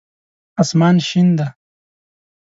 اسمان شین دی